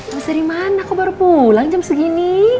abis dari mana kau baru pulang jam segini